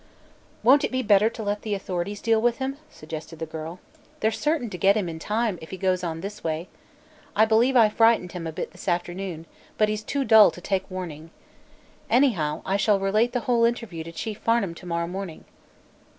"Won't it be better to let the authorities deal with him?" suggested the girl. "They're certain to get him, in time, if he goes on this way. I believe I frightened him a bit this afternoon, but he's too dull to take warning. Anyhow, I shall relate the whole interview to Chief Farnum to morrow morning."